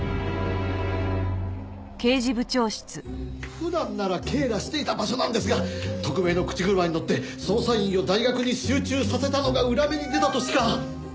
普段なら警らしていた場所なんですが特命の口車に乗って捜査員を大学に集中させたのが裏目に出たとしか。